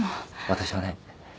私はね